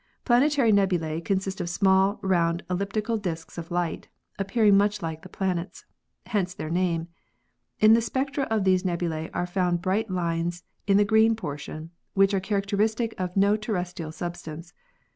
Planetary nebulae consist of small, round elliptical disks of light, appearing much like the planets. Hence their name. In the spectra of these nebulae are found bright lines in the green portion, which are characteristic of no terrestrial substance.